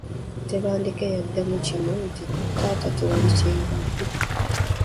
Tebandeke yaddamu kimu nti, “Taata tewali kyembadde”.